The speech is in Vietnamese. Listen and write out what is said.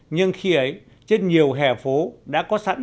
nhưng khi ấy trên nhiều hẻ phố đã có sẵn